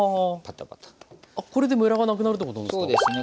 あっこれでムラがなくなるってことなんですか？